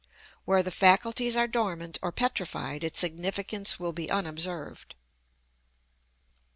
Where the faculties are dormant or petrified, its significance will be unobserved.